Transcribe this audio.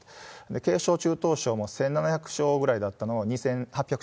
軽症、中等症も１７００床ぐらいだったのを２８００